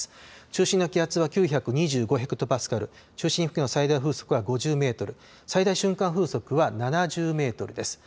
中心の気圧は９２５ヘクトパスカル、中心付近の最大風速は５０メートル、最大瞬間風速は７０メートルです。